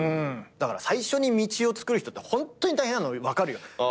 だから最初に道をつくる人ってホントに大変なの分かるよ。